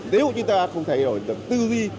nếu chúng ta không thay đổi được tư duy